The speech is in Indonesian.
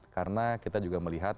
karena kita juga melihat